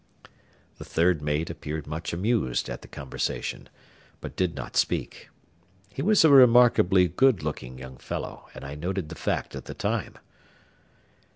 The third mate appeared much amused at the conversation, but did not speak. He was a remarkably good looking young fellow, and I noted the fact at the time.